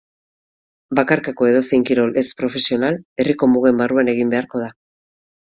Bakarkako edozein kirol ez profesional herriko mugen barruan egin beharko da.